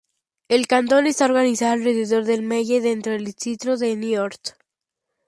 El cantón está organizado alrededor de Melle dentro del Distrito de Niort.